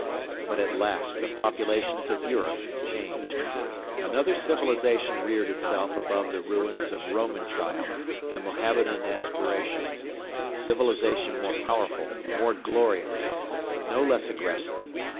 But at last the populations of Europe changed. Another civilisation reared itself above the ruins of Roman triumph and Mohammedan aspiration a civilisation more powerful, more glorious, but no less aggressive.